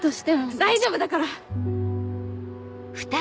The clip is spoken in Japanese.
大丈夫だから！